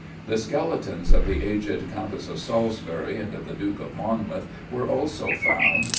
'" The skeletons of the aged Countess of Salisbury and of the Duke of Monmouth were also found.